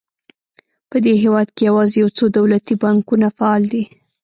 په دې هېواد کې یوازې یو څو دولتي بانکونه فعال دي.